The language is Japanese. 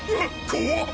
怖っ！